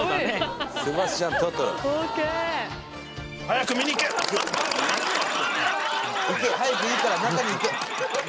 早くいいから中に行け！